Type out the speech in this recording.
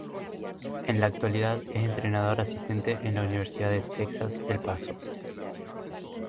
En la actualidad es entrenador asistente en la Universidad de Texas El Paso.